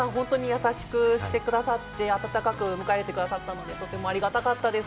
皆さん優しくしてくださって、温かく迎えてくださって、ありがたかったです。